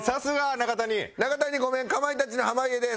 中谷ごめんかまいたちの濱家です。